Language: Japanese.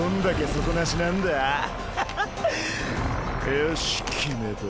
よし決めた。